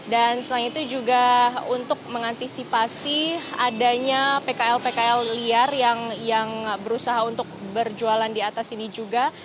dan selain itu juga untuk mengantisipasi adanya pkl pkl liar yang berusaha untuk berjualan di atas ini juga